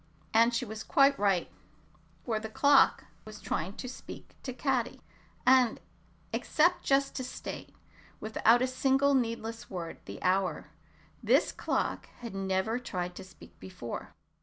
And she was quite right, for the clock was trying to speak to Caddy, and except just to state, without a single needless word, the hour, this clock had never tried to speak before.